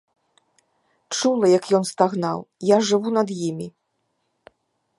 Чула, як ён стагнаў, я жыву над імі.